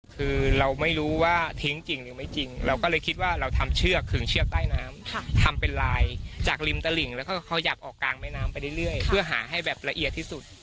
คือเราไม่รู้ว่าทิ้งจริงหรือไม่จริงเราก็เลยคิดว่าเราทำเชือกขึงเชือกใต้น้ำทำเป็นลายจากริมตลิ่งแล้วก็เขาอยากออกกลางแม่น้ำไปเรื่อยเพื่อหาให้แบบละเอียดที่สุด